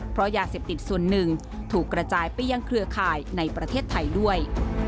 เพราะยาเสพติดส่วนหนึ่งถูกกระจายไปยังเครือข่ายในประเทศไทยด้วย